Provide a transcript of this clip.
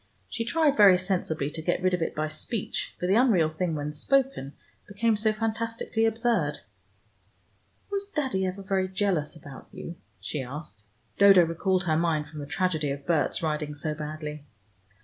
She tried, very sensibly, to get rid of it by speech, for the unreal thing when spoken, became so fantastically absurd. "Was Daddy ever very jealous about you?" she asked. Dodo recalled her mind from the tragedy of Berts riding so badly.